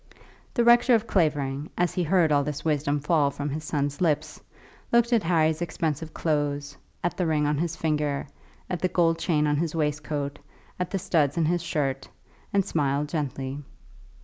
The rector of Clavering, as he heard all this wisdom fall from his son's lips, looked at Harry's expensive clothes, at the ring on his finger, at the gold chain on his waistcoat, at the studs in his shirt, and smiled gently.